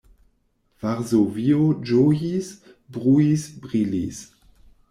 Varsovio ĝojis, bruis, brilis.